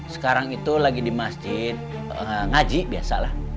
sekarang itu lagi di masjid ngaji biasalah